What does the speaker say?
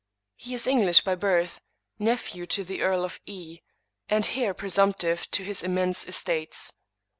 He is English by birth, nephew to the Earl of E., and heir presumptive to his immense estates.